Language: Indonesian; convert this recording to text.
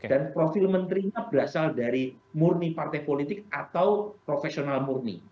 dan profil menterinya berasal dari murni partai politik atau profesional murni